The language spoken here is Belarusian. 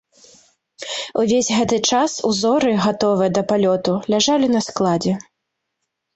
Увесь гэты час ўзоры, гатовыя да палёту, ляжалі на складзе.